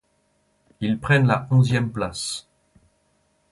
Ils prennent la onzième place.